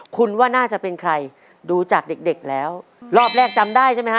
คุณว่าน่าจะเป็นใครดูจากเด็กเด็กแล้วรอบแรกจำได้ใช่ไหมฮ